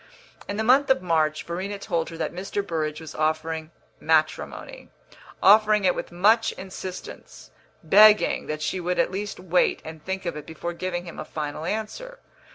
In the month of March Verena told her that Mr. Burrage was offering matrimony offering it with much insistence, begging that she would at least wait and think of it before giving him a final answer.